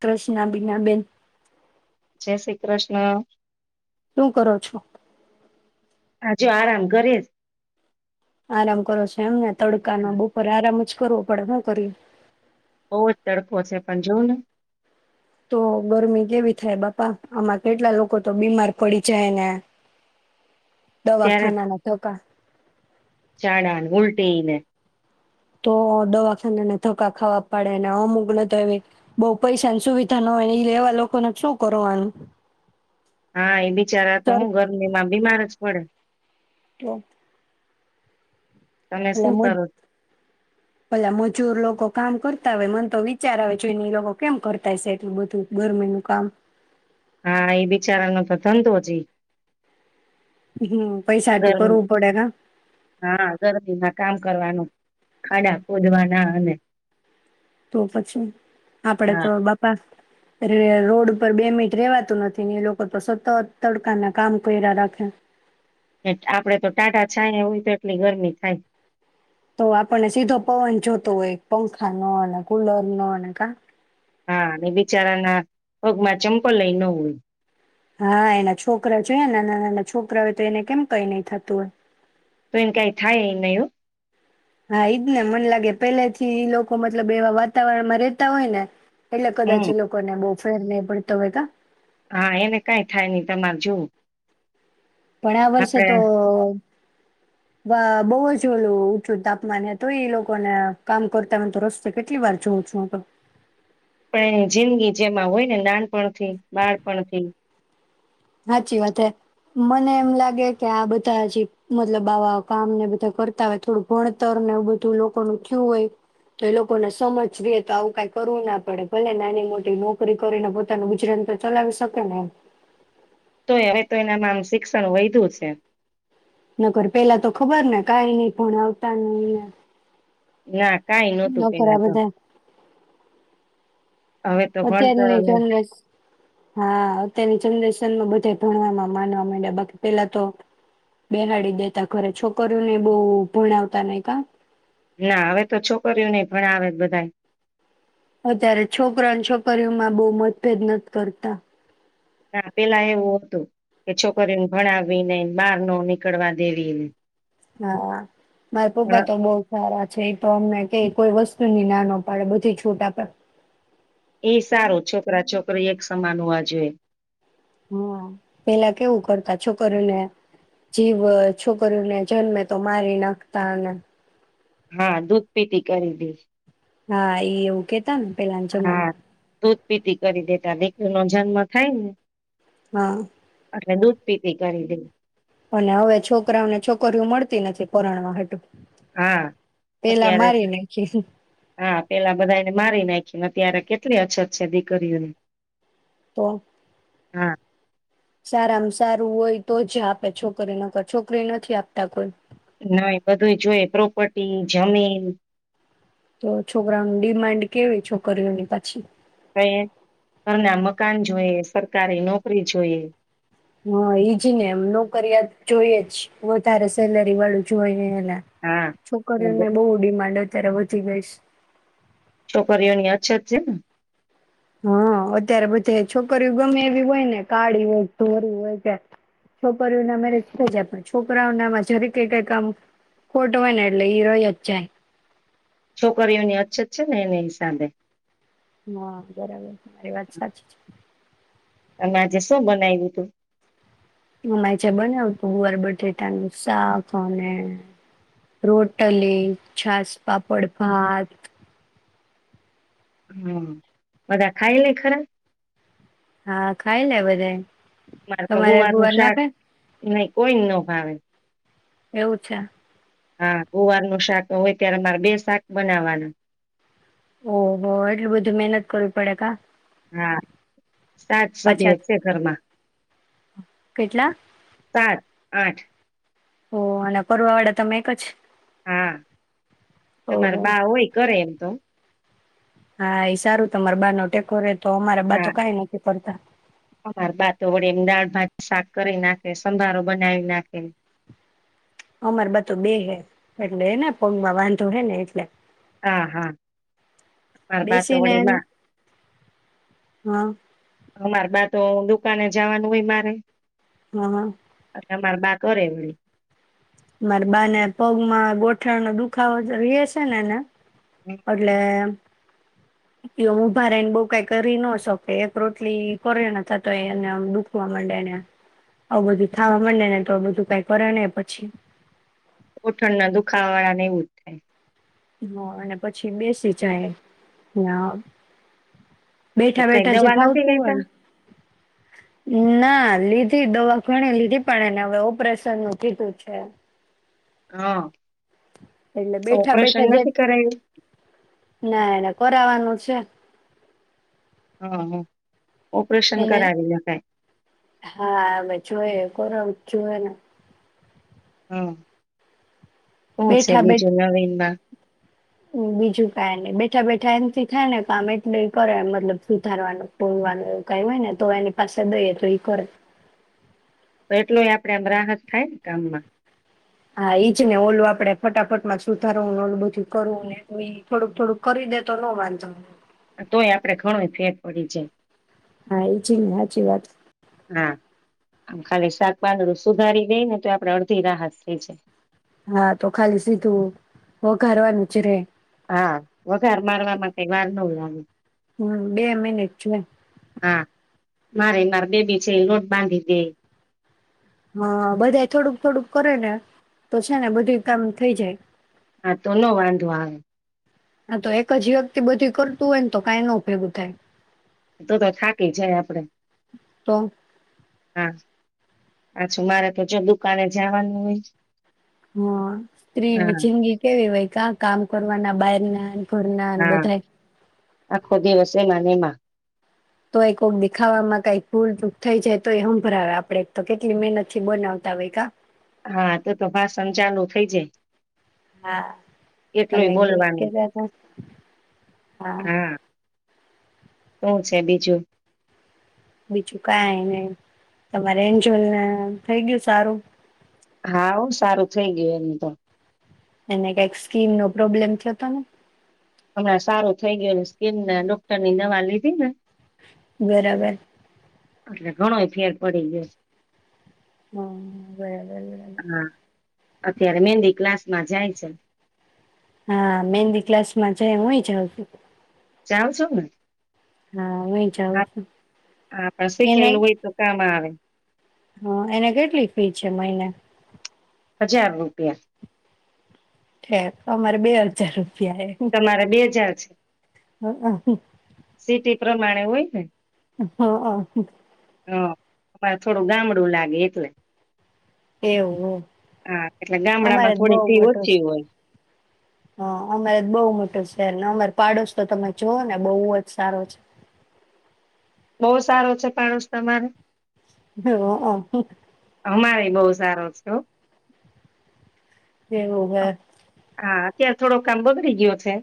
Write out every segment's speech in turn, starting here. કૃષ્ના બીના બેેન. જય શ્રી કૃષ્ણ. શું કરો છો? હા જો આરામ કરીએ. આરામ કરો છો એમને? તડકા ના બપોરે આરામ જ કરવું પડે ભાઈ બધુંય બહુ જ તડકો છે, પણ જુઓને! તો ગરમી કેવી થાય, બાપા! આમાં કેટલા લોકો તો બીમાર પડી જાયને. ત્યારે દવાખાનાના ધક્કા ઝાડા ને ઉલટી ને તો દવાખાનાને ધક્કા ખાવા પડે ને, અમુક ને તો એવી બહુ પૈસાની સુવિધા ના હોય ને, એવા લોકોને શું કરવાનું? હા, એ બિચારા તો હું ગરમીમાં બીમાર જ પડે. તો. તમે શું પેલા મ કરો ઓલા મજૂર લોકો કામ કરતા હોય, મન તો વિચાર આવે જોઈને એ લોકો કેમ કરતા હશે એટલું બધું ગરમી નું કામ? હા, એ બિચારાનો તો ધંધો જ ઈ. હમ પૈસાટું ગરમી કરવું પડે કા હા ગરમીમાં કામ કરવાનું. ખાડા ખોદવાના અને તો પછી, આપડે હા તો બાપા! રોડ ઉપર બે મિનિટ રેવાતું નથી ને, એ લોકો તો સતત તડકાના કામ કર્યા રાખે. આપડે તો ટાંઢા છાયા હોય, તો એટલી ગરમી થાય. તો આપણને સીધો પવન જોતો હોય, પંખાનો, કુલર નો, અને કા.. હા, અને બિચારાના પગમાં ચંપલ એ ન હોય હા, એના છોકરા જોયા નાના નાના છોકરા હોય તો એને કેમ કંઈ નઈ થતું હોય? તો એને કંઈ થાય એ નઈ હો હા, ઈજ ને. મને લાગે, પેલે થી લોકો મતલબ એવા વાતાવરણ માં રહેતા હોય ને. એટલે કદાચ હમ એ લોકો ને બહુ. ફરક ના પડતો હોય કા હા, એને કંઈ થાય નહીં. તમારે જોવું. પણ આ વર્ષે આપડે તો. બહુ જ ઓલું, ઊંચું તાપમાન હતું એઈ લોકોને કામ કરતા હોય, તો રસ્તે કેટલી વાર જોઉં છું, હું તો પણ એની જિંદગી જેમાં હોય ને, નાનપણથી, બાળપણથી. સાચી વાત. હા, મને એમ લાગે કે આ બધા હજી, મતલબ આવા કામ ને બધા કરતા હોય. થોડું ભણતર ને એવું બધું લોકોનું થયું હોય, તો એ લોકોને સમજ રહે, તો આવું કઈ કરવું ના પડે. ભલે નાની મોટી નોકરી કરીને પોતાનું ગુજરાન તો ચલાવી શકે ને, એમ. તોય હવે તો એનામાં આમ શિક્ષણ વધ્યું છે. નકર પેલા તો ખબર ને કઈ નહી પણ આવતા ન ના. કંઈ નહોતું પેલા તો. હવે તો ભણતર અત્યારની ને જનરેશન હા, અત્યારની જનરેશન. બધાએ ભણવામાં માનવા માં આ બાકી પેલા તો બેહડી દેતા ઘરે છોકરીઓને બહુ ભણાવતા નહ કા. ના હવે તો છોકરીઓ નહી પણ આવે બધા અત્યારે છોકરા અને છોકરીઓમાં બહુ મતભેદ નથી કરતા. પેલા એવું હતું કે છોકરીને ભણાવી ને બહાર ન નીકળવા દેવીને. હા, મારા પપ્પા પણ તો બહુ સારા. તો અમને કે કોઈ વસ્તુ ની નાનો પડે, બધી છૂટ આપે. એ સારો છોકરા છોકરી એક સમાન હોવા જોએ. હા પેલા કેવું કરતા છોકરોને જીવ છોકરીને જન્મે તો મારી નાખતાને. હા દૂધ પીતી કરી દી. હા એ એવું કેતા ને પેલા જમમાં. દૂધપીતી કરી દેતા દીકરી નો જન્મ થાય ને. હા. એટલે દૂધ પીતી કરી દે. અને હવે છોકરાઓને છોકરીઓ મળતી નથી પરરણવા હટું. હા અત્યારે નાખી હા પેલા બધાને મારી નાખ. અત્યારે કેટલી અછત છે દીકરીઓની. તો. હા. સારામાં સારું હોય તો જ આપે છોકરી નકર છોકરી નથી આપતા કોઈ. નાહી બધું જોય પ્રોપર્ટી જમીન. તો છોકરાનું ડિમાન્ડ કેવી છોકરીઓની પછી. ક ઘરના મકાન જોઈએ સરકારી નોકરી જોઈએ. હા ઈજ ને એમ નોકરીિયા જોઈએ જ વધારે સેલરી વાળું જોઈ. હા છોકરીઓને બહુ ડિમાન્ડ હતી. અતિયારે વઘી ગઈશ. છોકરીઓની અછત છે ને. હા અત્યારે બધે છોકરીઓ ગમે એવી હોય ને કાળી હોયો ધોળી હોય કે છોકરીઓનેરે જાય પણ છોકરાઓ નામાં જરી કઈ કઈ આમ ખોટ હોય ને એટલે ઈ રહ્યા જ જાય. છોકરીઓની અછત છે ને એની હિસાબે. હા બરાબર મારી વાત સાચી છે. અમે આજે શું બનાવ્યું તું. અમાં જે બનાવ હતુ ગુવાર બટેટાનું શાક અને રોટલી છાસ પાપડ ભાત. હમ બધા ખાય લને ખરા. હા ખાઈ લે બધાઈ. અરે તો ગુવા નું શાક ન કોઈ ન ભાવે. એવું છે હા ગુવારનું શાક હોય ત્યારે મારે બે શાક બનાવવાના. ઓહ બોહ એટલું બધું મહેનત કરવી પડે કા. હા સાત પાછા સભ્યો છે ઘરમાં કેટલા સાત. આઠ. ઓ અને કરવા વાળા તમે એક જ. હા તમારે ઓહો બા હોય ઘરે એમ તો. હા એ સારું તમાર બા ન ટેકો રે - - તો અમારા બાતો હા કાંઈ નોતું કરતા અમાર [unintelligible] દાળ ભા શાક કરી નાખે સંભારો બનાવી નાખે. અમાર બધું બે હે એટલે હે ને પગમાં વાંધો હે ને એટલે. હા, હા અમાર બાં તો બેસીને વળી એમ. માં, હા અમાર બા તો દુકાને જાવાનું હોય મારે. હા, હા. એટલે અમાર બા કરે હે. મારે બાને પગમાં ગોઠણનો દુખાવો તો રયે સે ને એને. અટલે એ ઉભા રહીને બઉ કાઈ કરી ન શકે, એક રોટલી કરે ને ત્યા તો એને આમ દુખવા મંડે ને આવું બધું થાવા મંડે ને તો બધું કાઈ કરે નહી પછી. ગોઠણના દુખાવા વાળા ને એવું જ થાય. હા અને પછી બેસી જાય, ના તો બેઠા કઈ બેઠા જે દવા નથી ફાવતું હોય લેતા ન, ના લીધી દવા ઘણી લીધી પણ એને હવે ઓપરેશનનું કીધું છે. હા. એટલે તો ઓપરેશન બેઠા-બેઠા જ એન, નથી કરાયું ના એને કરાવાનું અચ્છા. હા, હા. ઓપરેશન એને કરાવી નખાય હા હવે જોઈએ કરાવી જોએને હા. શું છે બેઠા-બેઠ, બીજું નવીનમાં બીજું કાઈ નહીં બેઠા-બેઠ ઠા એનથી થાય ને કામ એટલું ઈ કરે મતલબ સુધારવાનું કોરવાનુ એવું કાઈ હોય ને તો એની પાસે દઈએ તો ઈ કરે. એટલુંય આપડે આમ રાહત થાય ને કામમાં. હા ઈજ ને ઓલું આપડે ફટાફટ માં સુધારવુ ને ઓલું બધું કરવું ને તો ઈ થોડુંક-થોડુંક કરી દે તો નો વાંધો તોય આપડે ઘણુંય ફેર પડી જાય. હા ઈ છે ને હાચી વાત. હા ખાલી શાક પાંદડું સુધારી દઈ ને તોય આપડે અડધી રાહત થઈ જાય. હા તો ખાલી સીધું વઘારવવાનું જ રે. હા વઘાર મારવામાં કાઈ વાર ન લાગે. હમ્મ બે મિનિટ જોઈ. મારેય માર બેબી છે ઈ લોટ બાંધી દેય. હા બધાય થોડુંક-થોડુંક કરે ને તો છે ને બધુંય કામ થઈ જાય. હા તો ન વાંધો આવે. આ તો એક જ વ્યક્તિ બધી કરતું હોય ને તો કાઈ ન ભેગું થાય. તો તો થાકી જાય આપડે તો હા. પાછું મારે તો જો દુકાને જાવાનું હોય હા સ્ત્રીની હા જિંદગી કેવી હોય કા કામ કરવાના બાઈરના. હા આખો દિવસે એમાં ને એમાં. તોયે કોકે ડી ખાવામાં કય ભૂલચૂક થાઈ જાય તોયે હભળાવે આપડે કેટલી મહેનતથી બનાવતા હોય કા. હા તો તો ભાષણ ચાલુ થઇ જ હા તમે એટલુંય એક દિવસ બોલવાનું કેતા હતા હા. શું છે બીજું. બીજું કાંઈ નય તમારે એન્જોલ ને થઈ ગયું સારું. હા હો સારું થઈ ગયું એનું તો એને કઈ સ્કીન નો પ્રોબ્લેમ થતો ને હમણાં સારું થઈ ગયુ સ્કીિનના ડોક્ટરની દવા લીધી ને બરાબર એટલે ઘણોયે ફેર પડી ગયો હા બરાબર બરાબર છે હા અત્યારે મેંદી ક્લાસ મા જાય છે હા મેંદી ક્લાસ માં જાયે હુંય જાઉં જાવ છો ને હા હુંય જાઉં છું આપ શખેલું હોય તો કામ આવે હા એને કેટલી ફી છે મહિને હજાર રૂપિયા ઠેક અમારે બે હજાર રૂપિયા તમારે બે હજાર છે એ - -સિટી પ્રમાણે હોય ને હા હ અમારે થોડું ગામડું લાગે એટલે એવું હા એટલે અમારે ગામડામાં જ બહુ થોડી ફી મોટો ઓછી હોય. હ અમારે તો બહુ મોટો છે, ને અમાર પાડોશી તમે જોઓ ને બહુ જ સારો છે. બહુ સારો છે, પાડોશ તમારો? એ અઅ અમારેય બહુ સારો છે હો. એવું હે. ત્યાં થોડો કામ બગડી ગયો છે.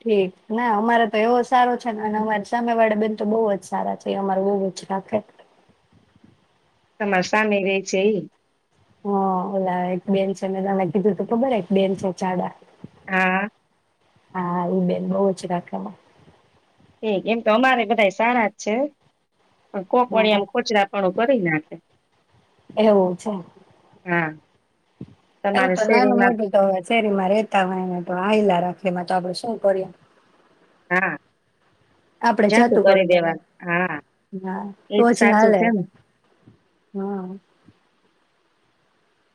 ઠીક, ના અમારે તો એવો સારો છે ને અને અમારે સામે વાળા બેન તો બહુ જ સારા છે, એ અમારું બહું જ રાખે. તમાર સામે રહે છે ઈ? હા ઓલા એક બેન છે, મે તમને કીધું તું ખબર એક બેન છે જાડા. હા. હા એ બેન બઉ જ રાખે અમા એ એમ તો અમારે બધા સારા જ છે. પણ કોક વારી આમ હ [unintelligible] કરી નાખે. એવું છે. હા એવું તમારે તો નાનું શેરીમાં મોટું તો હવે શેરીમાં રહેતા હોય ને તો હાયલા રાખે અમારે. તો આપણે શું કરીએ હા. આપડે જાતું કરી દેવાનું, હા તો એજ જ સાચું હાલે છે ને હા.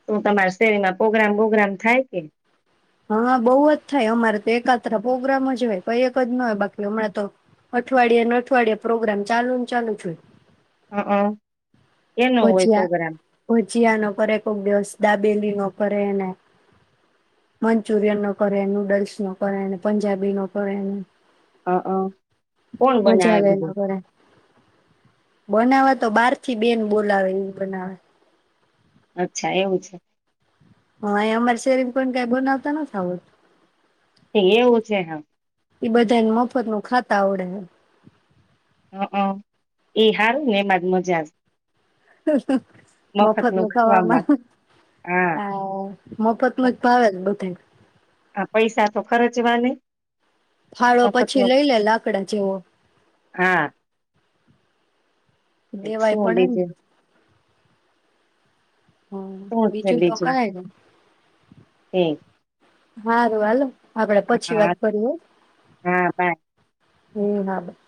શું તમારા શેરીમાં પોગ્રામ બોગ્રામ થાય કે? હા બહુ જ થાય અમારે તો એકાત્ર પ્રોગ્રામ જ હોય કઈ જ ન હોય બાકી હમણાં તો અઠવાડિયે ને અઠવાડયિયા પ્રોગ્રામ ચાલુ જ હોય. હા હા. પહોચ્યા પહોચ્યા ન કર કોક દિવસ ડાબ ડેલી નો કરેને, મંચુરિયન નો કરે, નૂડલ્સ નો કરેને, પંજાબી નો કરેને અ હ કોણ મજા બનાવે બધું બનાવવા તો બાર થી બેન બોલાવે ઈ બનાવે. અચ્છા એવું છે. હા આયા અમારા શેરીમાં કોઈને કઈ બનાવતા નથી આવડતુ. એવું છે હવ. એ બધાને મફત નું ખાતા આવડે હે. હકન ઈ હારું ને એમાં જ મજા સ. હ. મફત નું ખાવામાં ખવામાં હા આ મફતનું જ ભાવે છે બધાને. હ પૈસા તો ખર્ચવા નઈ. ફાળો પછી લઈ લે લાકડા જેવો. ઠેક શુ દેવાય પડે ને બીજું? હા શું બીજું તો કાય નય. ઠેક. હારું હાલો. આપડે પછી વાત કરી હો. હા બાય હમ હા બાય.